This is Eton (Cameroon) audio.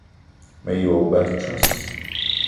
Me yi wa ba a tsoss!